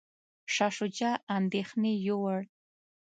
شاه شجاع اندیښنې یووړ.